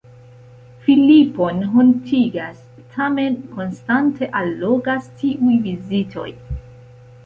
Filipon hontigas, tamen konstante allogas tiuj vizitoj.